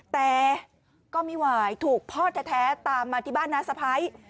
แต่ก็ไม่ไหวถูกพ่อแท้ตามมาที่บ้านน้าสะพ้าย